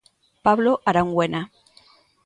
Pablo Arangüena.